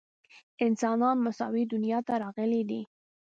انسانان مساوي دنیا ته راغلي دي.